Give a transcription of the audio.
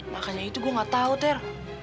makanya itu gue gak tau ter